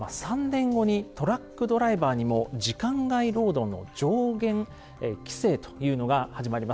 ３年後にトラックドライバーにも「時間外労働の上限規制」というのが始まります。